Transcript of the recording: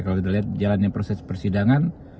kalau kita lihat jalannya proses persidangan